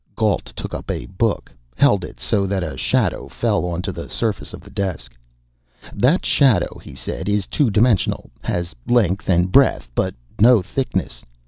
Gault took up a book, held it so that a shadow fell onto the surface of the desk. "That shadow," he said, "is two dimensional, has length and breadth, but no thickness.